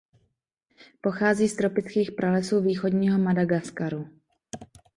Pochází z tropických pralesů východního Madagaskaru.